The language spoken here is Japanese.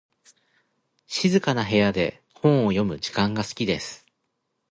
静かな部屋で本を読む時間が好きです。